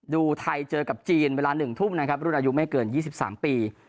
ดูไทยเจอกับจีนเวลา๑ทุ่มนะครับรุ่นอายุไม่เกิน๒๓ปี